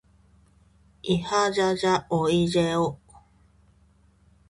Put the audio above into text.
いはじゃじゃおいじぇお。